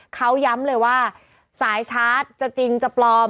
เขาย้ำเลยว่าสายชาร์จจะจริงจะปลอม